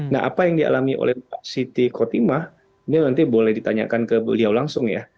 nah apa yang dialami oleh pak siti kotimah ini nanti boleh ditanyakan ke beliau langsung ya